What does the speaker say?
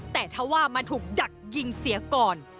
แต่ถ้าว่ามาถูกดักยิงเสียก่อน